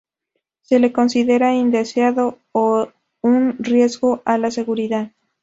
Se le considera indeseado, o un riesgo a la seguridad.